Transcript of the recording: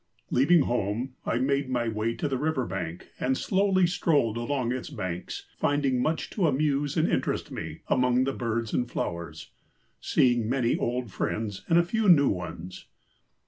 Leaving home, I made my way to the river bank, and slowly strolled along its banks, finding much to amuse and interest me among the birds and flowers, seeing many old friends and a few new ones.